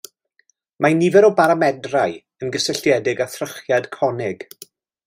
Mae nifer o baramedrau yn gysylltiedig â thrychiad conig.